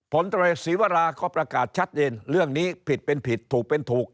ผลตรวจศรีวราก็ประกาศชัดเจนเรื่องนี้ผิดเป็นผิดถูกเป็นถูก